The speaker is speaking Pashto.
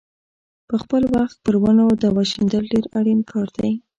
په خپل وخت پر ونو دوا شیندل ډېر اړین کار دی.